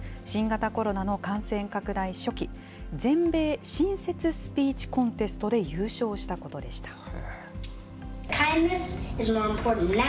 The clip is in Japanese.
新型コロナの感染拡大初期、全米親切スピーチコンテストで優勝したことでした。